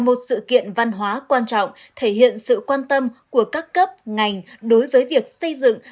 là một sự kiện văn hóa quan trọng thể hiện sự quan tâm của các cấp ngành đối với việc xây dựng